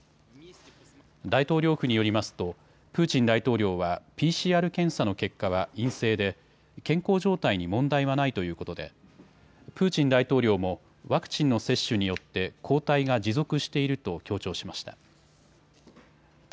大統領府によりますとプーチン大統領はＰＣＲ検査の結果は陰性で健康状態に問題はないということでプーチン大統領もワクチンの接種によって抗体が持続していると強調しました。